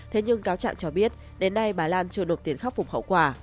thế nhưng cáo trạng cho biết đến nay bà lan chưa nộp tiền khắc phục hậu quả